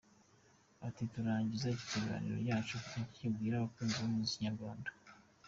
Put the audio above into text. com:Turangiza iki kiganiro cyacu ni iki ubwira abakunzi b'umuzik inyarwanda?.